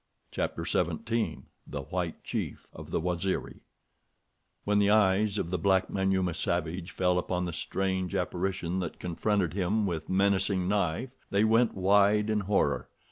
Chapter XVII The White Chief of the Waziri When the eyes of the black Manyuema savage fell upon the strange apparition that confronted him with menacing knife they went wide in horror.